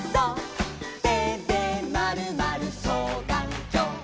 「てでまるまるそうがんきょう」